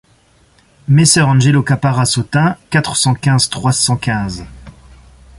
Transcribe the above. Messer Angelo Cappara Sotain quatre cent quinze trois cent quinze.